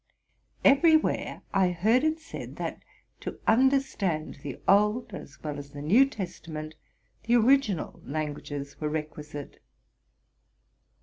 Everywhere I heard it said, that, to understand the Old as well as the New Testament, the origi nal languages were requisite.